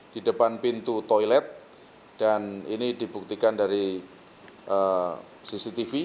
di depan pintu toilet dan ini dibuktikan dari cctv